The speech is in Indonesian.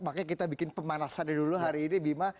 makanya kita bikin pemanasannya dulu hari ini bima